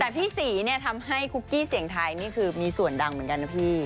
แต่พี่ศรีเนี่ยทำให้คุกกี้เสียงไทยนี่คือมีส่วนดังเหมือนกันนะพี่